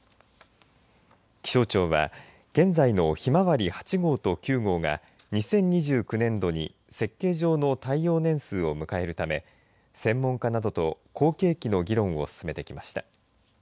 気象庁は現在の、ひまわり８号と９号が２０２９年度に設計上の耐用年数を迎えるため専門家などと後継機の議論を進めてきました。